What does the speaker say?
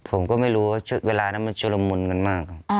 ผมก็ไม่รู้เวลานั้นมันชะละมุนกันมาก